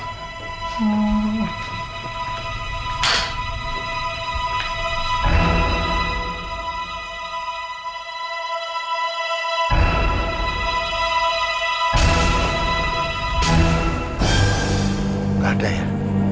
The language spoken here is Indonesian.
gak ada ya